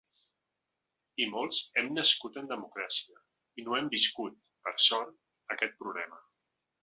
I molts hem nascut en democràcia, i no hem viscut, per sort, aquest problema.